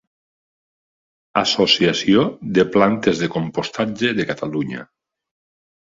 Associació de plantes de compostatge de Catalunya.